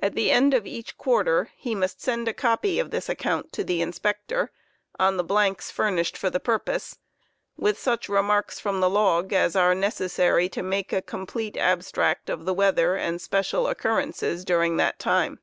At the end of each quarter lie must send a copy of this account to the Inspector, on the blanks ' furnished for the purpose, with such remarks from the log as* are necessary to make a complete abstract of the weather, and special occurrences during that time.